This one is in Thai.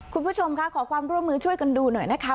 คุณผู้ชมค่ะขอความร่วมมือช่วยกันดูหน่อยนะคะ